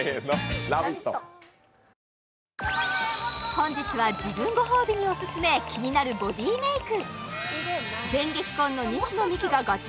本日は自分ご褒美にオススメ気になるボディメイク